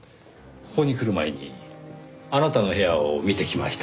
ここに来る前にあなたの部屋を見てきました。